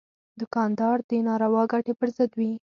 دوکاندار د ناروا ګټې پر ضد وي.